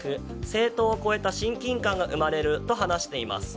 政党を超えた親近感が生まれると話しています。